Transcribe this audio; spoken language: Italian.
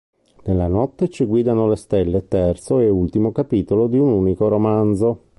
Nella notte ci guidano le stelle" terzo e ultimo capitolo di un unico romanzo.